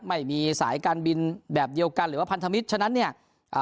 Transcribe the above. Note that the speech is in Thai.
ไม่มีสายการบินแบบเดียวกันหรือว่าพันธมิตรฉะนั้นเนี่ยอ่า